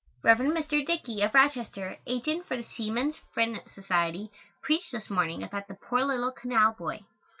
Rev. Mr. Dickey, of Rochester, agent for the Seaman's Friend Society, preached this morning about the poor little canal boy.